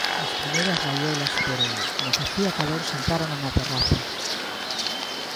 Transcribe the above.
As primeiras raiolas pero, como facía calor, sentárono na terraza.